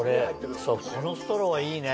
このストローはいいね！